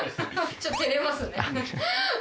ちょっとてれますね。